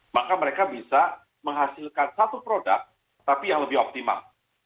maka mereka bisa menghasilkan satu produk tapi yang lebih optimal